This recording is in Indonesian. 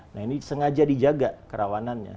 nah ini sengaja dijaga kerawanannya